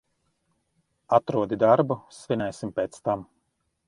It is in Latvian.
Atrodi darbu, svinēsim pēc tam.